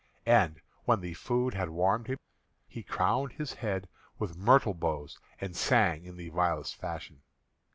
And when the food had warmed him, he crowned his head with myrtle boughs, and sang in the vilest fashion.